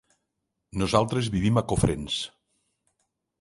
Nosaltres vivim a Cofrents.